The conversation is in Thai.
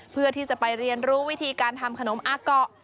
เพื่อที่จะไปเรียนรู้วิธีการทำขนมอาเกาะ